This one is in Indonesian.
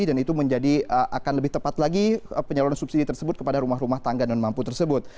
dan itu menjadi akan lebih tepat lagi penyaluran subsidi tersebut kepada rumah rumah tangga dan mampu tersebut